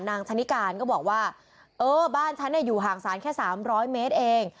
นางชันนิการก็บอกว่าเออบ้านฉันเนี้ยอยู่ห่างศาลแค่สามร้อยเมตรเอง